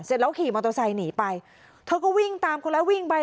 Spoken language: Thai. เสร็จแล้วขี่มอเตอร์ไซค์หนีไปเธอก็วิ่งตามคนแล้ววิ่งไป